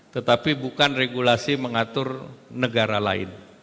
tetapi bukan regulasi mengatur negara lain